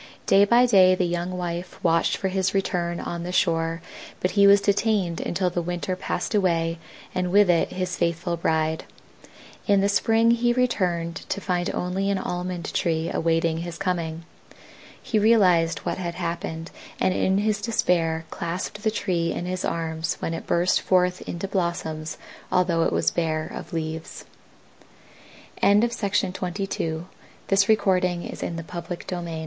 Day by day the young wife watched for his return on the shore, but he was detained until the winter passed away and with it his faithful bride. In the spring he returned to find only an Almond tree awaiting his coming. He realized what had happened and in his despair clasped the tree in his arms when it burst forth into blossoms although it was bare of leaves. [Illustration: From Nature, by Chicago Colortype Co. FLOWERING AL